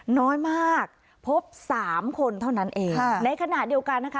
น้อยมากพบสามคนเท่านั้นเองค่ะในขณะเดียวกันนะคะ